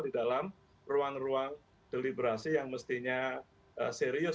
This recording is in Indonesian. di dalam ruang ruang deliberasi yang mestinya serius